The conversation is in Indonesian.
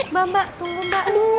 mbak mbak tunggu mbak